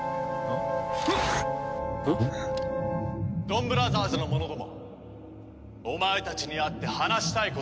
ドンブラザーズの者どもお前たちに会って話したいことがある。